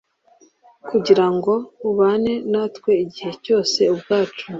kugira ngo ubane natwe igihe cyose ubwacu